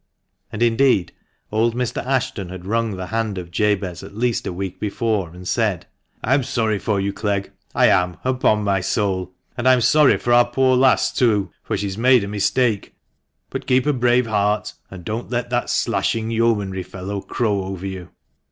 And indeed, old Mr, Ashton had wrung the hand of Jabez at least a week before, and said —" I'm sorry for you, Clegg ; I am, upon my soul ; and I'm sorry for our poor lass, too, for she's made a mistake. But keep a brave heart, and don't let that slashing yeomanry fellow crow over you.